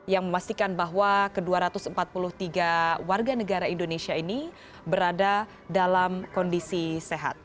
yang memastikan bahwa ke dua ratus empat puluh tiga warga negara indonesia ini berada dalam kondisi sehat